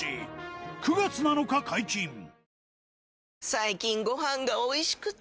最近ご飯がおいしくて！